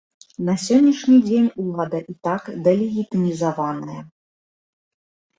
На сённяшні дзень улада і так дэлегітымізаваная.